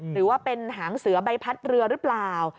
หรือว่าเป็นหางเสือใบพัดเรือหรือเปล่า